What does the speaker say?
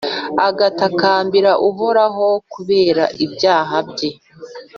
agatakambira Uhoraho kubera ibyaha bye!